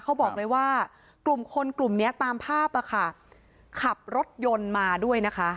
เขาบอกเลยว่ากลุ่มคนกลุ่มเนี้ยตามภาพอ่ะค่ะขับรถยนต์มาด้วยนะคะ